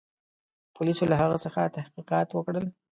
پولیسو له هغه څخه تحقیقات وکړل.